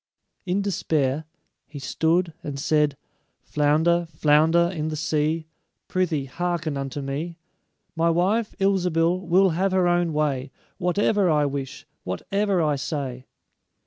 In despair, he stood and said; "Flounder, flounder in the sea, Prythee, hearken unto me: My wife, Ilsebil, will have her own way Whatever I wish, whatever I say."